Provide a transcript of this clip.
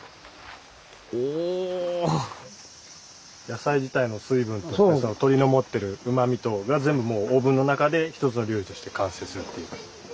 野菜自体の水分と鶏の持ってるうまみとが全部もうオーブンの中で１つの料理として完成するという。